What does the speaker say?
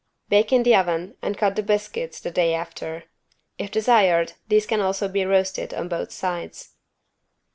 Bake in the oven and cut the biscuits the day after. If desired these can also be roasted on both sides.